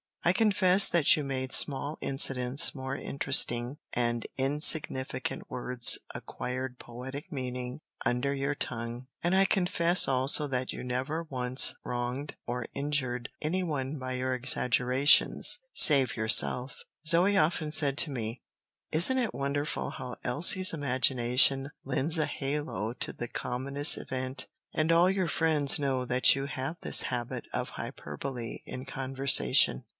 I confess that you made small incidents more interesting, and insignificant words acquired poetic meaning under your tongue. And I confess also that you never once wronged or injured any one by your exaggerations save yourself. Zoe often said to me, "Isn't it wonderful how Elsie's imagination lends a halo to the commonest event," and all your friends know that you have this habit of hyperbole in conversation.